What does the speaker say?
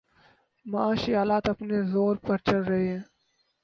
معاشی حالات اپنے زور پہ چل رہے ہیں۔